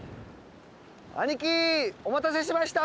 兄貴お待たせしました！